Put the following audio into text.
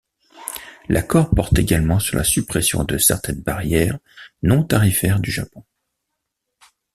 L'accord porte également sur la suppression de certaines barrières non tarifaires du Japon.